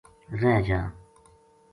رہ جا